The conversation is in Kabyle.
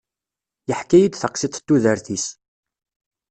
Yeḥka-yi-d taqsiṭ n tudert-is.